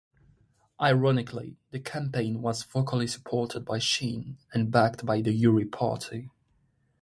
Ironically, the campaign was vocally supported by Shin and backed by the Uri Party.